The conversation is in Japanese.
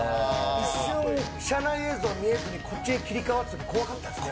一瞬、車内映像見えずに、こっちに切り替わってたとき怖かったですね。